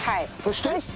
そして？